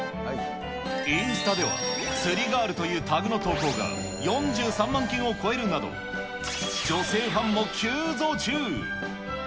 インスタでは、釣りガールというタグの投稿が４３万件を超えるなど、女性ファンも急増中。